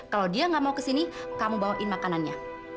kalau dia gak mau kesini kamu bawain makanannya